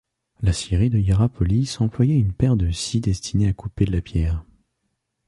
La scierie de Hiérapolis employait une paire de scies destinées à couper la pierre.